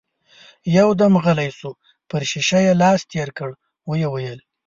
يودم غلی شو، پر شيشه يې لاس تېر کړ، ويې ويل: